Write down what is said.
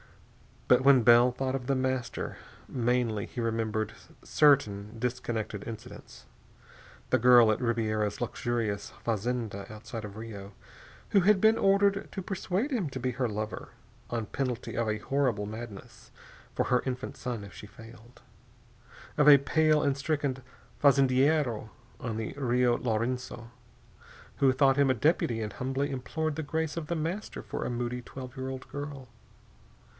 But when Bell thought of The Master, mainly he remembered certain disconnected incidents. The girl at Ribiera's luxurious fazenda outside of Rio, who had been ordered to persuade him to be her lover, on penalty of a horrible madness for her infant son if she failed. Of a pale and stricken fazendiero on the Rio Laurenço who thought him a deputy and humbly implored the grace of The Master for a moody twelve year old girl.